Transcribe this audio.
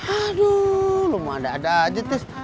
aduh lo mau ada ada aja tes